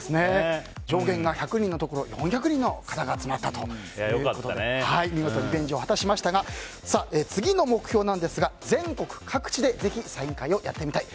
上限が１００人のところ４００人の方が集まったということで見事、リベンジを果たしましたが次の目標なんですが全国各地でぜひ、サイン会をやってみたい。